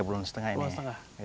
tiga bulan setengah ini